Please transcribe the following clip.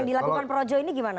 yang dilakukan projo ini gimana